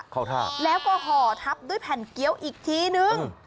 ทาบแล้วก็ห่อทับด้วยแผ่นเกี้ยวอีกทีนึง